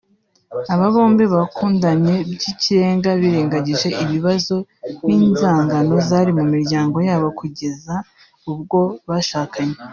Aba bombi bakundanye by’ikirenga birengagije ibibazo n’inzangano zari mu miryango yabo kugeza ubwo bashakanye